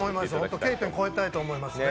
Ｋ点、越えたいと思います。